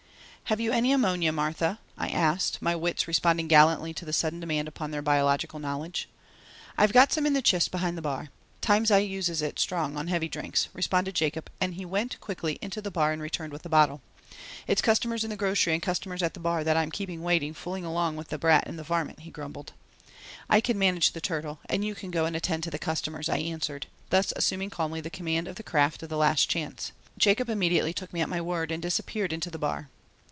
"Have you any ammonia, Martha?" I asked, my wits responding gallantly to the sudden demand upon their biological knowledge. "I've some in the chist behind the bar. Times I uses it strong on heavy drunks," responded Jacob and he went quickly into the bar and returned with the bottle. "It's customers in the grocery and customers at the bar that I'm keeping waiting fooling along with the brat and the varmint," he grumbled. "I can manage the turtle and you can go and attend to the customers," I answered, thus assuming calmly the command of the craft of the Last Chance. Jacob immediately took me at my word and disappeared into the bar.